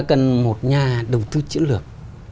cần một nhà đầu tư chiến lược